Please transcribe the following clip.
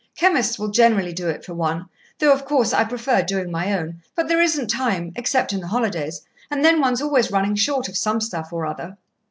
Chemists will generally do it for one though, of course, I prefer doing my own. But there isn't time, except in the holidays, and then one's always running short of some stuff or other.